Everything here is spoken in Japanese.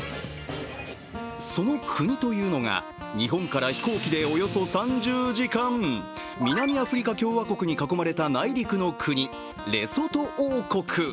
その国というのが、日本から飛行機でおよそ３０時間南アフリカ共和国に囲まれた内陸の国レソト王国。